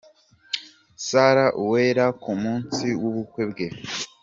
Sarah Uwera ku munsi w'ubukwe bwe.